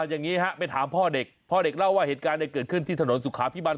อย่างนี้ฮะไปถามพ่อเด็กพ่อเด็กเล่าว่าเหตุการณ์เกิดขึ้นที่ถนนสุขาพิบัน